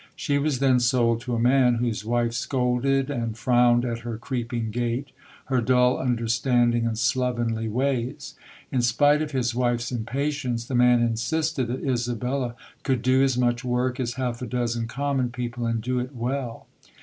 She was then sold to a man whose wife scolded and frowned at her creeping gait, her dull under standing and slovenly ways. In spite of his wife's impatience, the man insisted that Isabella could do as much work as half a dozen common people and do it well.